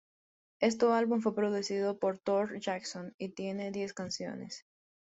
Esto álbum fue producido por Tore Johansson y tiene diez canciones.